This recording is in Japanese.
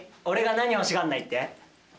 おれが何欲しがんないって？